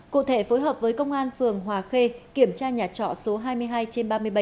cụ thể phối hợp với công an phường hòa khê kiểm tra nhà trọ số hai mươi hai trên ba mươi bảy